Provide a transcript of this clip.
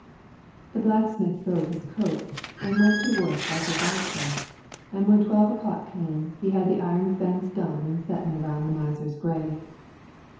The blacksmith throwed his coat an' went to work like a whitehead, an' when twelve o'clock come he had the iron fence done an' a settin' around the miser's grave.